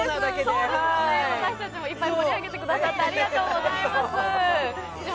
私たちもいっぱい盛り上がってくださってありがとうございます。